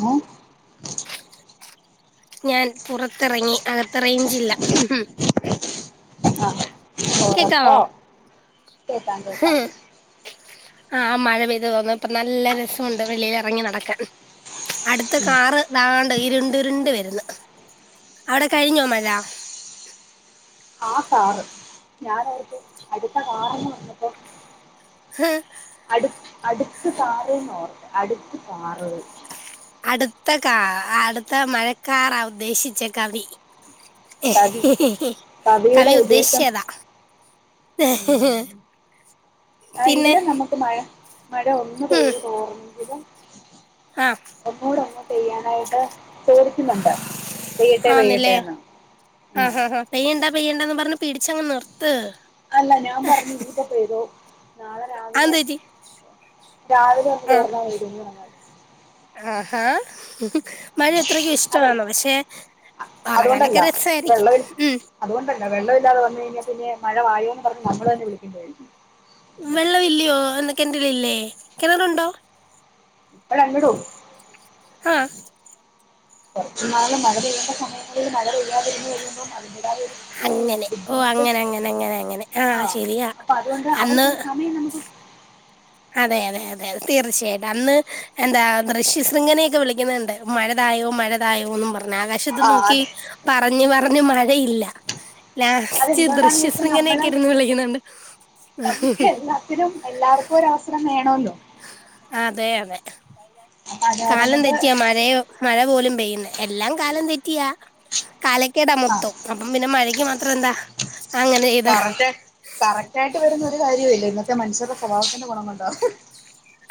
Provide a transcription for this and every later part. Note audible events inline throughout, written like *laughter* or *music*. ഏഹ് ഞാൻ പുറത്തെറങ്ങി അകത്ത് റേഞ്ചില്ല ആഹ് പൊറത്തോ കേക്കാവോ കേക്കാം കേക്കാം ആഹ് മഴ പെയ്തു തോർന്നു ഇപ്പൊ നല്ല രസണ്ട് വെളീല് എറങ്ങി നടക്കാൻ അട്ത്ത കാറ് താണ്ട് ഇര്ണ്ടിരുണ്ട് വര്ന്ന് അവിടെ കഴിഞ്ഞോ മഴ ആഹ് കാറ് ഞാനോർത്തു അട്ത്ത കാറ്ന്ന് പറഞ്ഞപ്പോ ഹ് *unintelligible* അട് അട്ത്ത് കാറ്ന്നൊ അട്ത്ത് കാറ് അടുത്ത കാ അടുത്ത മഴക്കാറാ ഉദ്ദേശിച്ചെ കവി കവി കവിയുടെ കവി ഉദ്ദേശിച്ച ഉദ്ദേശം അതാ ആ *inaudible* ആഹ് ഇവിടെ നമക്ക് മഴ മഴ ഒന്ന് ഉം പെയ്ത് തോർന്നെങ്കിലും ആ ഒന്നൂടൊന്ന് പെയ്യാനായിട്ട് ചോദിക്കുന്നൊണ്ട് പെയ്യട്ടെ പെയ്യട്ടേന്ന് ആഹ് ആഹ് ആഹ് പെയ്യണ്ടാ പെയ്യണ്ടാന്ന് പറഞ്ഞ് പിടിച്ചങ്ങ് നിർത്ത് അല്ല ഞാൻ പറഞ്ഞു ഇനീപ്പോ പെയ്തോ നാളെ രാവിലെ അതെന്ത് പറ്റി രാവിലെ അങ്ങ് ചോറ്ന്നാ വിടും ഞങ്ങൾ ആഹ് ഹാ മഴയത്രക്കും അതെ ഇഷ്ടവാണ് പക്ഷെ അതുകൊണ്ടല്ല ഒറങ്ങാനൊക്കെ രസവാരിക്കും വെള്ളമിൽ ഉം അതുകൊണ്ടല്ല വെള്ളവില്ലാതെ വന്ന് കഴിഞ്ഞാ പിന്നെ മഴ വായോന്ന് പറഞ്ഞ് നമ്മള് തന്നെ വിളിക്കേണ്ടി വരും വെള്ളവില്ല്യോ എന്ത് കെണ്റ്റിലില്ലേ കെണറുണ്ടോ *unintelligible* ആഹ് കൊറച്ചു നാള് മഴ പെയ്യണ്ട സമയങ്ങളില് മഴ പെയ്യാതിരുന്നു കഴിയുമ്പോ അതിന്റേതായോരു അങ്ങനെ ഓ ബുദ്ധിമുട്ട് അങ്ങനെ അങ്ങനെ അങ്ങനെ അങ്ങനെ ആഹ് ശരിയാ അപ്പ അത്കൊണ്ട് അവർക്കൊരു സമയം നമുക്ക് അതെയതെ അതെ തീർച്ചയായിട്ടും അന്ന് എന്താ ദൃശ്യ ശൃംഖനെയൊക്കെ വിളിക്ക്ന്ന്ണ്ട് മഴതായോ മഴതായോന്നും പറഞ്ഞ് ആകാശത്ത് ആഹ് നോക്കി അതെ പറഞ്ഞ് പറഞ്ഞ് മഴയില്ല ലാസ്റ്റ് അതെന്തുകൊണ്ടാന്ന് ദൃശ്യ ചോദിച്ചാൽ ശൃഖനെക്കെ നമ്മള് ഇര്ന്ന് വിളിക്ക്ന്ന്ണ്ട് നമുക്ക് എല്ലാത്തിനും എല്ലാർക്കും ഒരവസരം വേണോല്ലോ അതെ അതെ അപ്പൊ അത് കാരണം കാലം കൊണ്ട് തെറ്റിയ മഴയോ മഴ പോലും പെയ്യ്ന്നെ എല്ലാം കാലം തെറ്റിയാ കാലക്കേടാ ആഹ് മൊത്തം അപ്പം പിന്നെ മഴയ്ക്ക് മാത്രം എന്താ അങ്ങനെ ചെയ്താ കറക്റ്റ് കറക്റ്റായിട്ട് വരുന്ന ഒരു കാര്യോം ഇല്ലല്ലോ ത്യെ മനുഷ്യര്ടെ സ്വഭാവത്തിന്റെ ഗുണം കൊണ്ടാ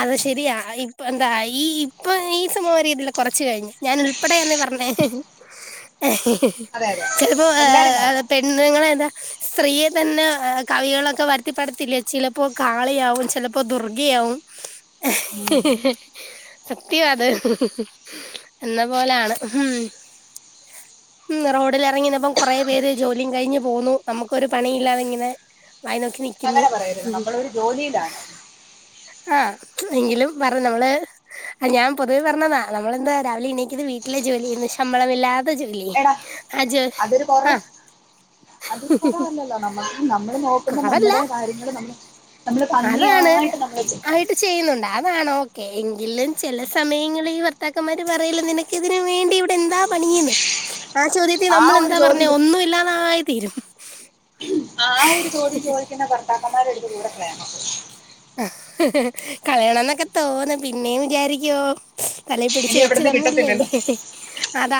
അത് ശരിയാ ഇപ്പ എന്താ ഈ ഇപ്പൊ ഈ സമം വരെ ഇതില് കൊറച്ച് കഴിഞ് ഞാനുൾ ഇപ്പടേന്ന് പറഞ്ഞേ ഹി ഹി ഹി ഹെ ഹെ ഹെ അതെ അതെ ചെലപ്പോ അ എല്ലാരും അ ആ കണക്കാ പെട് നിങ്ങളേതാ സ്രീയെതന്നെ അ കവികളൊക്കെ വര്ത്തിപ്പടത്തിലേ ചിലപ്പോ. കാളിയാവും ചെലപ്പോ ദുർഗിയാവും. ഹെ. ഹ്. ഉം ഹ്. ഹ്‌ സത്യാഅത് എന്ന പോലാണ് ഉ ഉം ഉം റോഡിലറങ്ങി നിന്നപ്പ കൊറേ പേര് ജോലിയും കഴിഞ് പോവുന്നു നമുക്കൊരു പണിയുംല്ലാതെ ഇങ്ങനെ. വായെ നോക്കി നിക്കുന്നു. അങ്ങനെ പറയരുത് ഹ് ഹും നമ്മളൊരു ജോലിയിലാണ് ആ എങ്കിലും പറ നമള്. അ ഞാൻ പൊതുവെ പറഞ്ഞതാ നമ്മളെന്താ രാവിലെ എണീക്ക്ന്നു വീട്ടിലെ ജോലി ചെയ്യുന്നു ശമ്പളമില്ലാ *unintelligible* എടാ അജ് അതൊരു ആ കൊറവ് അതൊരു കൊറവല്ലല്ലോ നമ്മക്ക് നമ്മള് നോക്കുമ്പോ കുറവല്ല നമ്മടെ കാര്യങ്ങള് നമ്മ. നമ്മള് ഭംഗിയായിട്ട് നമ്മളത് ചെയ്യും. നന്നായിട്ട് ചെയ്യുന്നുണ്ട് അതാണോ ഓക്കെ എങ്കിലും ചില സമയങ്ങളിൽ ഈ ഭർത്താക്കന്മാര് പറയല് നി ഇതിന് വേണ്ടി ഇവിടെ എന്താ പണീന്ന് ആ ചോദ്യം- ത്തി ആ ഒരു നമ്മളെന്താ പറഞ്ഞെ ചോദ്യം ഒന്നും ഇല്ലാതായി തീരും. ആ ആ ഒരു ചോദ്യം ചോദിക്കുന്ന ഭർത്താക്കന്മാരെ എടുത്ത് ദൂരെക്കളയണം. ഹ് ഹ് ഹ് കളയണന്നൊക്കെ തോന്നും പിന്നേ വിചാരിക്കും തലേ ഇനി പിടിച്ചു വെച്ചു എവിടുന്ന് തന്നില്ലേ കിട്ടത്തില്ലല്ലോ ഹി ഹി അതാ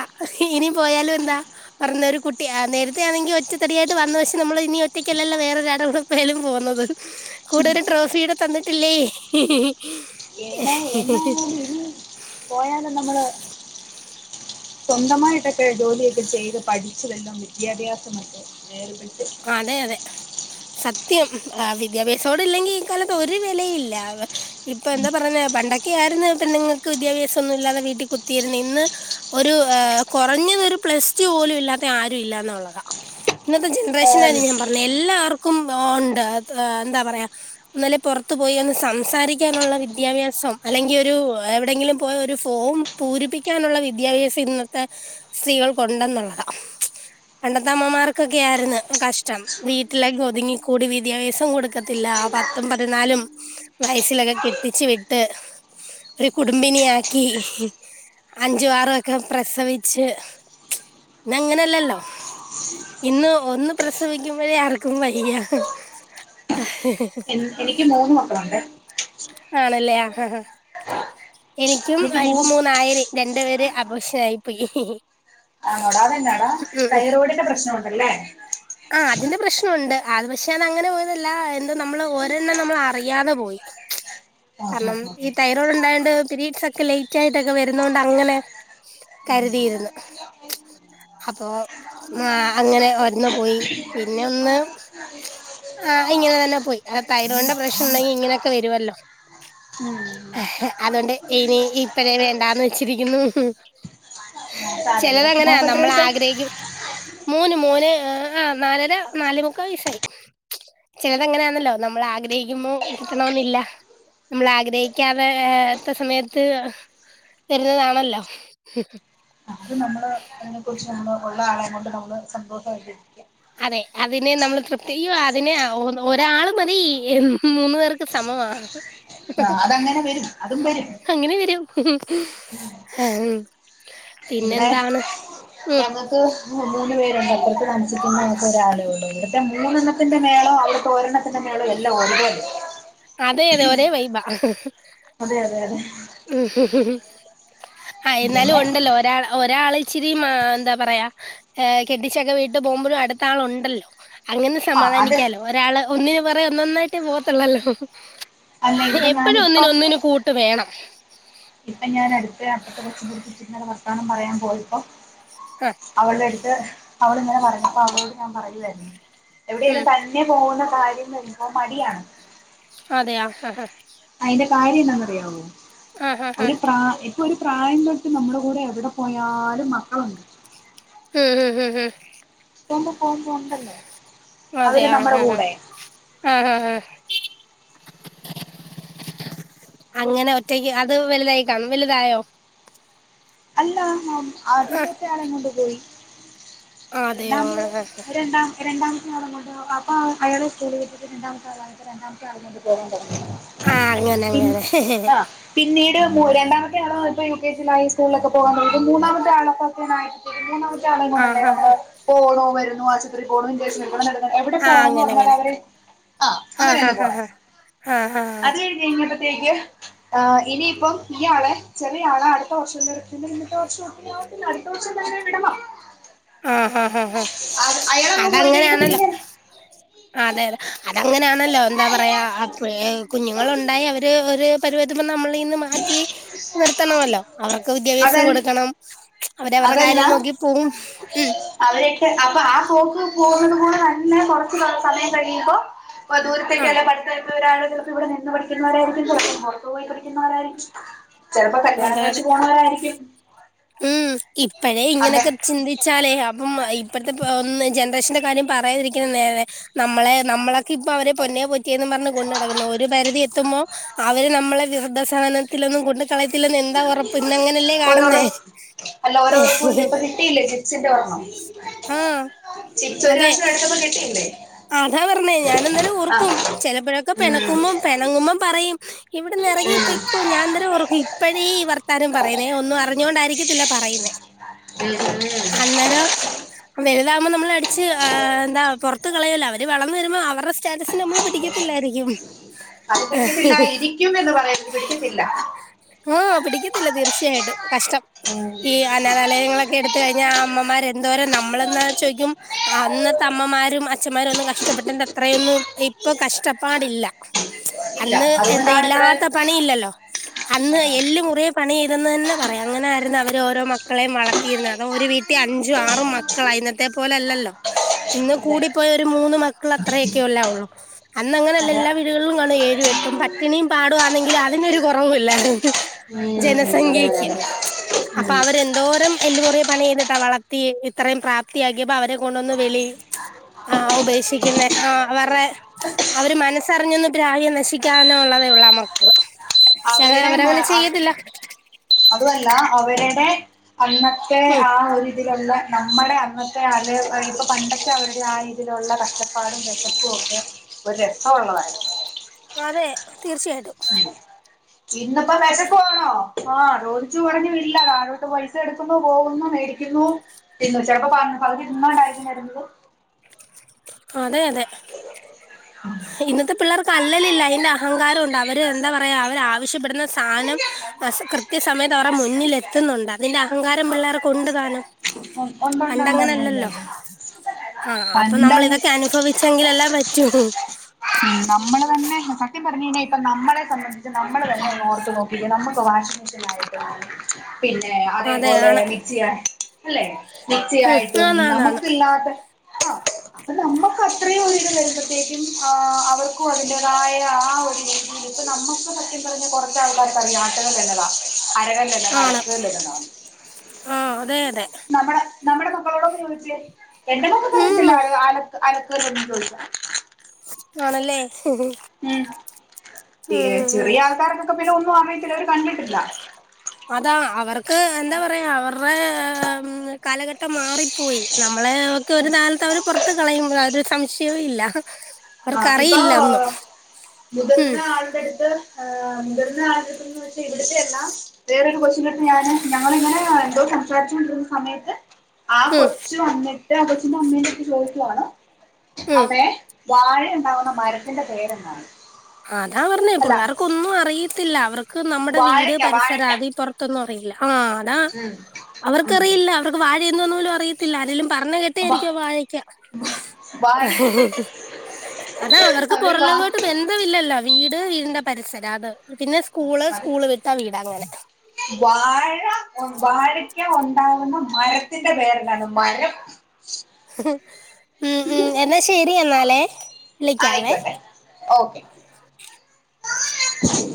ഇനി പോയാലും എന്താ? പറഞ്ഞൊരുകുട്ടിയാ നേരത്തെ ആണെങ്കിൽ ഒറ്റ തടിയായിട്ട് വന്നു പക്ഷെ നമ്മള് ഇനി ഒറ്റയ്ക്കല്ലല്ലോ വേറൊരാൾടെ കൂടെ. ഇപ്പയേലും പോന്നത് കൂടെയൊരു ട്രോഫ്യൂടെ തന്നിട്ടില്ലേ? ഹി ഹി ഹി *unintelligible* എന്നായാലും ഇനിയും പോയാലും നമ്മള്. സ്വന്തമായിട്ടൊക്കെ ജോലിയൊക്കെ ചെയ്ത് പഠിച്ചുവല്ലോം വിദ്യാഭ്യാസമൊക്കെ *unintelligible* അതെ അതെ. സത്യം ഉഹ് ആ വിദ്യാഭ്യാസോടില്ലെങ്കി ഈ കാലത്ത് ഒരു വെലയുല്ല. ഇപ്പൊ എന്താ പറയുന്നെ പണ്ടൊക്കെ ആയിരുന്നേ പെണ്ണ്ങ്ങൾക്ക് വിദ്യാഭ്യാസം ഒന്നും ഇല്ലാതെ വീട്ടി കുത്തിയിരുന്ന് ഇന്ന്. ഒരു ആ കൊറഞ്ഞത് ഒരു പ്ലസ് ടു പോലും ഇല്ലാത്ത ആരും ഇല്ലാന്നുള്ളതാ ഇന്നത്തെ ജന പ്രശന ഞാൻ പർഞ്ഞെ എല്ലാവർക്കും ഓണ്ട് എന്താ പറയാ. ഒന്നുംഅല്ലെ പൊറത്ത് പോയി ഒന്ന് സംസാരിക്കാനുള്ള വിദ്യാഭ്യാസം അല്ലെങ്കിൽ ഒരു എവിടെങ്കിലും പോയ ഒരു ഫോം പൂരിപ്പിക്കാനുള്ള വിദ്യാഭ്യാസം ഇന്നത്തെ സ്ത്രീകൾക്കുണ്ടെന്നുള്ളതാ പണ്ടത്തെ അമ്മമാർക്കൊക്കെയായിര്ന്ന് കഷ്ട്ടാണ് വീട്ടിലൊക്ക ഒതുങ്ങിക്കൂടി വിദ്യാഭ്യാസോം കൊടുക്കത്തില്ല പത്തും പതിനാലും. വയസ്സിലൊക്കെ കെട്ടിച്ചു വിട്ട് ഒരു കുടുംബിനിയാക്കി. ഹ് ഹും അഞ്ചും ആറുവൊക്കെ പ്രസവിച്ച് ഇന്നങ്ങനെല്ലല്ലോ? ഇന്ന് ഒന്ന് പ്രസവിക്കുമ്പഴേ ആർക്കും വയ്യ. ഹ് ഹ ഹ് ഹ് എൻ എനിക്ക് മൂന്ന് മക്കളുണ്ട്. ആണല്ലേ ആഹാ ഹാ ആഎനിക്കും എനിക്ക് മൂ ഇപ്പ മൂന്നായേ രി രണ്ട് പേര് അബോഷനായി പോയി. ഹി ഹി ഹി ആണോടാ അതെന്നാടാ തൈറോയിഡിന്റെ പ്രശ്നോണ്ടല്ലേ? ആ അതിന്റെ പ്രശ്നം ഉണ്ട് അത് പക്ഷെ അത് അങ്ങനെ പോയതല്ല എന്ത് നമ്മള് ഒരെണ്ണം നമ്മള് അറിയാതെ പോയി. ആഹ് കാര്ണം ആഹ് ഈ ആഹ് തൈറോയ്ഡ് ഉണ്ടായോണ്ട് പീരീഡ്സ് ഒക്കെ ലേറ്റ് ആയിട്ടൊക്കെ വരുന്നോണ്ട് അങ്ങനെ. *unintelligible* അപ്പോ ആ അങ്ങനെ ഒര്ണ്ണം പോയി പിന്നെ ഒന്ന്. ആ ഇങ്ങനെ തന്നെ പ്പോയി ആ തൈറോയിഡിന്റെ പ്രശ്നോണ്ടെങ്കി ഇങ്ങനെയൊക്കെ വരുവല്ലോ. ഹെ ഹെ അതോണ്ട്‌ ഇനി ഇപ്പയേ വേണ്ടാന്ന് വെച്ചിരിക്ക്ന്ന് ഹ് ആഹ് സാരല്ല ചെലതങ്ങനാ മോക്ക് എത്ര വയസായി നമ്മളാഗ്രഹിക്കും മോന് മോന്. ആ നാലര നാലേമുക്കാ വയസ്സായി. ചെലതങ്ങനെയാന്നല്ലോ നമ്മളാഗ്രഹിക്കുമ്പോ കിട്ടണോന്നില്ല. നമ്മൾ ആഗ്രഹിക്കാതെ ത്തസമയത്ത്. തരുന്നതാണല്ലോ അത് നമ്മളെ അയ്നെ കുറിച്ച് ന ഉള്ള ആളെ കൊണ്ട് നമ്മള് സന്തോഷംമായിക്കുക അതെ അതിനെ നമ്മൾ തൃപ്തി യ്യോ അതിന് ഒ ഒരാള് മതി മൂന്നു പേർക്ക് സമമാ ആ അതങ്ങനെ വരും അതും വരും അങ്ങെനെ വരും ഇവിടെ പിന്നെന്താണ് ഉം. ഞങ്ങക്ക് മൂന്ന് പേരുണ്ട് അപ്പർത്ത് താസിക്ക്ന്നാൾക്ക് ഒരാളെ ഒള്ളു ഇവ് മൂന്നെണ്ണത്തിന്റെ മേളോ അവിടെത്തെ ഒരെണ്ണത്തിന്റെ മേളോ എല്ലാം ഒര്‌പോലെയാ അതെ അത് ഒരേ വൈബ അതെ അതെ അതെ ആഹ് എന്നാലും പിന്നെ ഉണ്ടല്ലോ ഒരാള് ഒരാൾ ഇച്ചിരി മാ എന്താ പറയാ കെട്ടിച്ചൊക്കെ വീട്ടു പോകുമ്പോഴും അടുത്ത ആളു ഉണ്ടല്ലോ അങ്ങനെ ആഹ് അത് സമാധാനിക്കാലോ ഒരാള് ഒന്നിന് പാെറകെ ഒന്നാെന്നായിട്ടെ പോവത്തൊള്ളല്ലോ അല്ല ഇവിടെ എപ്പഴും ഒന്നിന് ഞാനിപ്പം ഒന്നിനു കൂട്ട് വേണം ഇപ്പൊ ഞാൻ അടുത്ത അപ്പുറത്തെ കൊച്ചിന്റെ അടുത്ത് ഇച്ചിരി നേരം പറയാൻ വർത്താനം പറയാൻ പോയപ്പോ ഹ അവളുടെ അടുത്ത് അവളിങ്ങനെ പറഞ്ഞപ്പോ അവളോട് ഞാൻ പറയുായിരുന്നു ഉം. എവിടെലും നെ പോകുന്ന കാര്യങ്ങ എന്തോ മടിയാണ് അതെയെ ആഹ് ഹാ അയിന്റെ കാര്യം എന്താന്ന് അറിയാവോ ആ ഹാ ഹാ ഒരു പ്രയ ഇ പൊരു പ്രായം തൊട്ട് നമ്മുടെ കൂടെ എവിടെ പോയാലും മക്കളുണ്ട് ഉം ഉം ഹും ഹും പോകുമ്പോൾ പോവുന്നുണ്ടല്ലോ അതെ ആഹ് ആഹ് ആഹ് ആഹ് ആഹ് ആഹ് അങ്ങനെ ഒറ്റയ്ക്ക് അത് വലുതായി കാമ്മല് തായോ അല്ല ആദ്യം ആഹ് മെതത്തെ ആളെ കൊണ്ടു പോയി അതെയോ എന്താന് ആഹ് ഒര് ഏണ്ടാ രണ്ടാമത്തെ ആളങ്ങോണ്ട് അപ്പ അയാള് സ്കൂള് വിട്ടിട്ട് രണ്ടാമത്തെ അളായിട്ട് രണ്ടാമത്തെ ആളെകാെണ്ട് പോരാൻ പറ്റും പി ആന് പിന്നീട് രണ്ടാമത്തെ ആളോ ഇപ്പ യു കെ ജി ആയി സ്കൂളിലക്കെ പോകാത് മൂന്നാമത്തെ ആളക്കൊക്കാനയി മൂന്നാമത്തെ ആളേം കൊണ്ടല്ലേ ആഹ് ആഹ് നമ്മള് പോളോ വരുന്നോ ആ *unintelligible* എവിടെ പോണംന്ന് അങ്ങനെ അങ്ങനെ ആഹ് ആഹ് ആഹ് അങ്ങനെ അങ്ങനെ പറഞ്ഞാലവര് ആഹ് അങ്ങനെല്ലെ പോണേ ആഹ് ആഹ് അത് കഴ്ഞ്ഞയ്ഞ്ഞപഴ്ത്തേക്ക് ഇനിയിപ്പം ഇയാളെ ചെറിയാളെ അട്ത്ത വർഷം *unintelligible* ആഹ് ഹാ ഹ ഹാ അത് അയാളങ്ങ് പോയി കഴിയുമ്പോ പിന്നെ അതങ്ങെനെയാന്നല്ലോ ഞാൻ അതെ അതെ അതങ്ങനെയാണല്ലോ എന്താ പറയാ അ കുഞ്ഞുങ്ങള ഉണ്ടായി അവര് പരിപത് നമ്മളീന്ന് മാറ്റി നിർത്തണമല്ലോ അവർക്ക് വിദ്യാഭ്യാസം അതല്ല കൊടുക്കണം അവരവര്ടെ കാര്യം അതല്ല നോക്കി പോവും ഉം അവരൊക്കെ അപ്പൊ ആ പൊക്ക് പോകുന്നത് കൂടെ തന്നെ കൊറച്ച് സമയം കഴകിയുമ്പോ ഇപ്പ ദൂരത്തെക്കെ ആഹ് അല്ല പഠ്ത്ത ഒരാള് ചെലപ്പോ ഇവിടെ നിന്ന് പഠിക്ക്ന്നവരായിരിക്കും ചെലപ്പം പൊറത്തു പോയി പഠിക്ക്ന്നവരായിരിക്കും ചിലപ്പോ കല്യാണം അതെ അതെ കഴിച്ച് പോകണവരായിരിക്കും ഉം ഇപ്പഴേ അങ്ങനെ ഇങ്ങനെയൊക്കെ ചിന്തി ച്ചാലേ അപ്പം ഇപ്പഴത്തെ ഒ ജനറേഷന്റെ കാര്യം പറയാതിരിക്കുന്ന നേരെ നമ്മളെ നമ്മളെ ഇപ്പൊ അവരെ പൊന്നെ പൊറ്റിയെ പറഞ്ഞ് കൊണ്ട നടടക്കുന്നു ഒരു പരിധി എത്തുമ്പോ അവര് നമ്മളെ വ്യ മവൃദ്ധസദനത്തിലൊന്നും കൊണ്ട് കളയത്തില്ലന്നും എന്താ ഉറപ്പ് ഇന്ന അങ്ങനെയല്ലേ ഓരോരോ കാണുന്നേ അല്ല ഓരോഴപ്പല്ല ഇപ്പ കിട്ടിയില്ലേ ജിപസിന്റെ ഒരണ്ണം ആഹ് ചിപ്സ് ഒര് അതെ കഷ്ണം എട്ത്തപ്പം കിട്ടിയില്ലേ അതാ പർഞ്ഞേ ഞാനന്നേരം ആ ഓർക്കും ചെലപ്പഴൊക്കെ ഉം പെണക്കുമ്പം പെണങ്ങുമ്പം പറയും ഇവിടന്ന് ഇറങ്ങി ഉം പൊയ്ക്കോ ഞാൻ തന്ന *unintelligible* ഇപ്പഴേഈ വർത്താനം പറയുന്നേ ഒന്നും അറിഞ്ഞോൊണ്ടായിരിക്കത്തില്ല പറയുന്നേ ഉം ഉം *unintelligible* അന്നേരം വല്താകുമ്പൊ നമ്മള് അടിച്ച് എന്താ പൊറ ത്ത് കളയല്ലാ അവര് വളർന്ന വരുമ്പൊ അവര്ടെ സ്റ്റാറ്റസിന് നമ്മള് പിടിക്കത്തില്ലായിരിക്കും അത് പിടിക്കത്തില്ല ഇരിക്കും എന്ന് പറയരുത് പിടിക്കത്തില്ല ആഹ് പിടിക്കത്തില്ല തീർച്ചയായിട്ടും കഷ്ടം ഉം ഈ അനാഥാലയങ്ങളൊക്കെ എടുത്ത് കഴിഞ്ഞാ ആ അമ്മമാർ എന്തോരം നമ്മളെന്നാ ചോയിക്കും അന്നത്തെ അമ്മമാരും അച്ഛന്മാരൊന്നും കഷ്ടപ്പെട്ടതിന്റത്രയൊന്നും ഇപ്പൊ കഷ്ടപ്പാടില്ല ഇല്ല അന്ന് എന്താ അതുകൊണ്ടാണ് ഇത്ര ഇല്ലാത്ത പണിയില്ലല്ലോ അന്ന് അതെ എല്ലുമുറിയേ പണിയിര്ന്നെന്നെ പറയാം അങ്ങനെയിരുന്നു അവര് ഓരോ മക്കളെയും വളർത്തിയിരുന്നത് അതും ഒരു വീട്ടിൽ അഞ്ചും ആറും മ ക്കളായി ഇന്നത്തെ പോലെയല്ലോ ഇന്ന് കൂടി ഒരു മൂന്ന് മക്കളത്രയൊക്കല്ലയാവുള്ളു അതെ അന്നങ്ങനെയല്ലെ വീടുകളിലുംകാണും ഏഴും എട്ടും പട്ടിണിയും പാടുവാണെങ്കിലും അതിനൊരു കൊറവുല്ലായിരുന്നു ഉം അതെ അതെ ജനസംഖ്യയ്ക്ക് അതെ ഉം അപ്പവരെ എന്തോരം എല്ല് മുറിയ പണിചെയ്തിട്ടാ വളർത്തി ഇത്രയും പ്രാപ്തിയാക്കിയപ്പൊ അവരെ കൊണ്ട്വന്ന് വെളി ആ ഉപേക്ഷിക്കുന്നെ ആവരെ അവര് മനസ്സറിഞ്ഞൊന്ന് പ്രാഗിയാ നശിക്കാനുള്ളതേയുള്ളൂ മക്കള് പക്ഷെ അവരങ്ങനെ ചെയ്യത്തില്ല അതുഅല്ല അവര്ടെ അന്നത്തെ ഉം ആ ഒരിതിലുള്ള നമ്മടെ അന്നത്തെ ആള് ഇപ്പൊ പണ്ടത്തെ അവരുടെ ആ ഇതിലുള്ള കഷ്ടപ്പാടും വിശപ്പുഒക്കെ ഒരു രസവാങ്ങള് അതെ തീർച്ചയായിട്ടും ഇന്നിപ്പം വെഷക്ക്‌ആണോ ആഹ് ചോദിച്ചു പറഞ്ഞു ഇല്ല കാരോട്ട് പൈസ എട്ക്കുന്നു പോകുന്നു മേടിക്കുന്നു ഇന്ന് ചെലപ്പൊ പ പകുതി നിന്നോണ്ടായിരിക്കും വര്ന്നത് അതെയതെ ഇന്നത്തെ പിള്ളാർക്കല്ലലില്ല അയിന്റെ അഹങ്കാരുണ്ട് അവര് എന്താ പറയാ അവരാവശ്യപ്പെടുന്ന സാനം കൃത്യസമയത്ത് അവരുടെ മുന്നിൽ എത്തുന്നുണ്ട് അതിന്റെ അഹങ്കാരം പിള്ളേർക്കുണ്ട്താനും ഉം ഉണ്ട് ഉണ്ട് ഉണ്ട് ഉണ്ട് ഉണ്ട് പണ്ടങ്ങനല്ലല്ലോ ഉണ്ട് ആഹ് അപ്പൊ നമ്മളിതൊ പണ്ടങ്ങ് അനുഭവിച്ചെങ്കിലെല്ലാം പറ്റും ഉം നമ്മള് തന്നെ സത്യം പറഞ്ഞ്കഴിഞ്ഞാ ഇപ്പം നമ്മളെ സംബന്ധി നമ്മള് തന്നെന്നോർത്ത്നോക്കിക്കേ നമ്മക്ക് വാശി *unintelligible* പിന്നെ അതെ അതേപോലെ ആണ് മിക്സിയാ അല്ലെ ഉം മിക്സിയായിട്ടും ആന്ന് ആന്ന് ആന്ന് നമുക്കില്ലാത്ത ആ അപ്പ നമ്മക്കത്രയൊരിത് വരുമ്പത്തേക്കും ആ അവർക്കും അതിന്റെതായ ആ ഒരു രീതില് ഇപ്പ നമ്മുക്ക് സത്യം പറഞ്ഞ കൊറ ച്ചാൾക്കാർക്കറിയാ മറ്റതൊക്കെന്നതാ അരകല്ലെന്നതാ ആണ് അലക്കുകല്ലെന്നതാ ആഹ് അതെ അതെ നമ്മടെ നമ്മടെ മക്കളോടൊന്ന് ചോദിച്ചേ എന്റെ മക്കക്കറിയത്തില്ല ഉം അലക്ക് അലക്ക്‌കല്ലൊന്നും ചോദിച്ച ആണല്ലേ ഹ്മ്-ഹ്മ്-ഹ്മ് ഏ ചെറിയ ആൾക്കാർക്കൊക്കെ പിന്നൊന്നും അറിയത്തില്ല അവര് കണ്ടിട്ടില്ല അതാ അവർക്ക് എന്താ പറയാ അവർടെ കാലഘട്ടം മാറിപ്പോയി നമ്മളെ ഒക്കെ ഒരു കാലത്ത് അവര് പൊറത്ത് കളയും അതിലൊരു സംശയവും ഇല്ല ആഹ് ഇപ്പൊ അവർക്കറിയില്ല ഒന്നും ഉം മുതിർന്ന ആളുടെട്ത്ത് മുതിർന്ന ആള്ടെട്ത്ത് വെച്ച് ഇവിടുത്തെയെല്ലാ വേറൊരു കൊച്ചിന്റെടുത്ത് ഞാന് ഞങ്ങളിങ്ങനെ എന്തോ സംസാരിച്ചു കൊണ്ടിരുന്ന സമയത്ത് ആ ഉം കൊച്ച് വന്നിട്ട് ആ കൊച്ചിന്റെ അമ്മേന്റെട്ത്ത് ചോദിക്കുആണ് ഉം അമ്മേ വാഴയ്ണ്ടാവുന്ന മരത്തിന്റെ പേരെന്താണ്ന്ന് അതാ പറഞ്ഞേ പിള്ളേർക്കൊന്നും അറിയത്തില്ല അവർക്ക് നമ്മുടെ വീട് വാഴക്ക പരിസരം വാഴക്ക അതിപ്പൊ റത്തൊന്നും അറിയില്ല ആ അതാ ഉം ഉം അവർക്കറിയില്ല അവർക്ക് വാഴയെന്തോന്ന് പോലും അറിയത്തില്ല ആരെലും പറഞ്ഞ കേ വാ ട്ടിരിക്കും വായിക്ക വാഴ അതാ അവർക്ക് അവര് വാ പൊറംലോകായിട്ട് ബന്ധഇല്ലല്ലോ വീട് വീടിന്റെ പരിസരം അത് പിന്നെ സ്കൂള് അത് സ്കൂള് വിട്ട വീട് അങ്ങനെ വാഴ വാഴക്ക ഉണ്ടാവുന്ന മരത്തിന്റെ പേരെന്താന്ന് മരം ഉം ഉം എന്നാ ശരി എന്നാലേ വിളിക്കാവേ ആയിക്കോട്ടെ ഓക്കെ *unintelligible* *inaudible*